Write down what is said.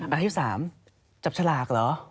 อาทิตย์สามจับฉลากเหรอ